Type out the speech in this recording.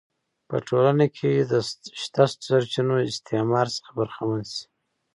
په ټولنه کې د شته سرچینو استثمار څخه برخمن شي.